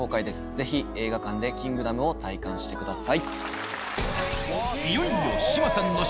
ぜひ映画館で『ＫＩＮＧＤＯＭ』を体感してください。